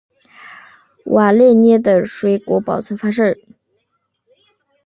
瓦列涅的水果保存方式。